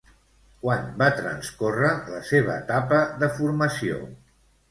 Quan va transcórrer la seva etapa de formació?